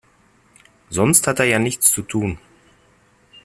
Sonst hat er ja nichts zu tun.